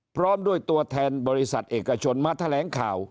พร้อมด้วยตัวแทนบริษัทเอกชนมาแถลงข่าว